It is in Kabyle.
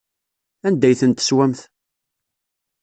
Anda ay ten-teswamt?